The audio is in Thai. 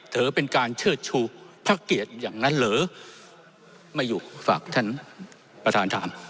ถือเป็นการเชิดชูพระเกียรติอย่างนั้นเหรอไม่อยู่ฝากท่านประธานถาม